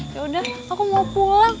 ya udah aku mau pulang